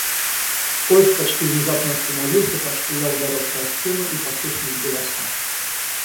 Поезд почти внезапно остановился, так что я ударился о стену, и послышались голоса.